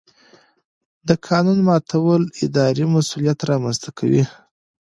د قانون ماتول اداري مسؤلیت رامنځته کوي.